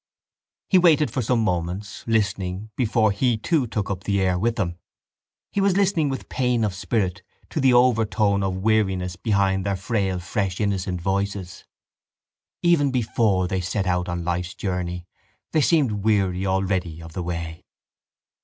He waited for some moments, listening, before he too took up the air with them. He was listening with pain of spirit to the overtone of weariness behind their frail fresh innocent voices. Even before they set out on life's journey they seemed weary already of the way.